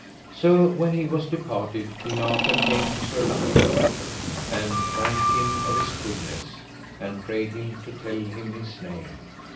So, when he was departed, King Arthur came to Sir Lamorak and thanked him of his goodness, and prayed him to tell him his name.